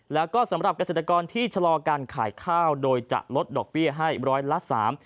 แล้วก็สำหรับเกษตรกรที่ชะลอการขายข้าวโดยจะลดดอกเบี้ยให้ร้อยละสาม